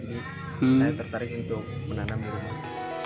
jadi saya tertarik untuk menanam di rumah